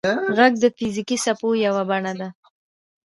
• ږغ د فزیکي څپو یوه بڼه ده.